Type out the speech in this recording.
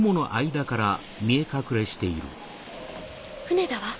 船だわ。